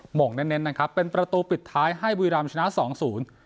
ห่งเน้นเน้นนะครับเป็นประตูปิดท้ายให้บุรีรำชนะสองศูนย์